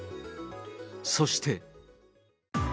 そして。